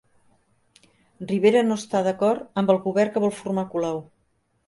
Rivera no està d'acord amb el govern que vol formar Colau